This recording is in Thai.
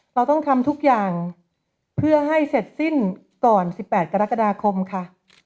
เราต้องทำทุกอย่างเพื่อให้เสร็จสิ้นก่อน๑๘กรกฎาคมค่ะ